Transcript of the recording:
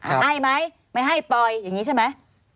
ให้ไหมไม่ให้ปล่อยอย่างนี้ใช่ไหม